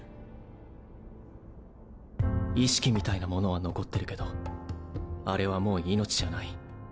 意識みたいなものは残ってるけどあれはもう命じゃない。